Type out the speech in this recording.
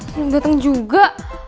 belum datang juga